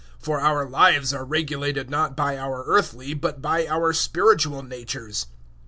For our lives are regulated not by our earthly, but by our spiritual natures.